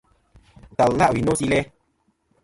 Ntal la' wi no si læ.